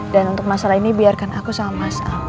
dan untuk masalah ini biarkan aku sama mas al